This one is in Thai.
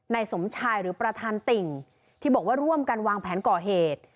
สมชายหรือประธานติ่งที่บอกว่าร่วมกันวางแผนก่อเหตุ